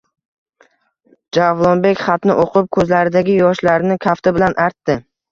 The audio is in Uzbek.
Javlonbek xatni o’qib ko’zlaridagi yoshlarini kafti bilan artdi.